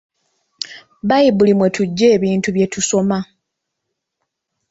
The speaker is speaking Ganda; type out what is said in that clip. Bbayibuli mwe tujja ebintu bye tusoma.